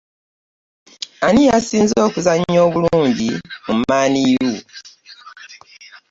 Ani yasinze okuzannya obulungi mu man u?